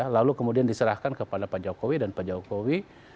lalu kemudian diserahkan kepada pak jokowi dan pak jokowi